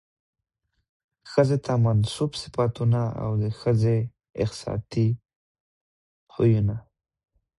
ښځې ته منسوب صفتونه او د ښځې اخىستي خوىونه